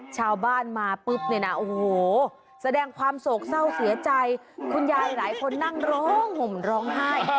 ชาวบ้านมาปุ๊บเนี่ยนะโอ้โหแสดงความโศกเศร้าเสียใจคุณยายหลายคนนั่งร้องห่มร้องไห้